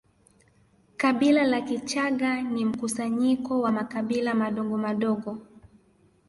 Kabila la Kichaga ni mkusanyiko wa makabila madogomadogo